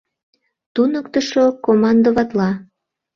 Туныктышо командоватла.